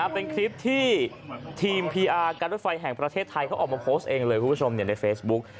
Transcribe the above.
เป็นคลิปที่ทีมประการรถไฟแห่งประเทศไทยเขาออกมาโพสต์เองเลยในเฟซบุค